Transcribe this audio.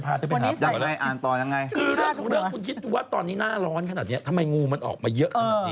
ก็แต่คือเรื่องนี้คุณพี่ว่าตอนนี้หน้าร้อนขนาดนี้ทำไมงูมันออกมาเยอะขนาดนี้